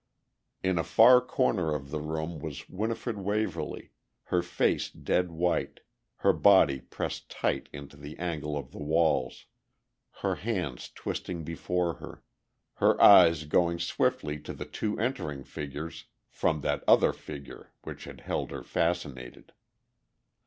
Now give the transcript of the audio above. In a far corner of the room was Winifred Waverly, her face dead white, her body pressed tight into the angle of the walls, her hands twisting before her, her eyes going swiftly to the two entering figures from that other figure which had held her fascinated.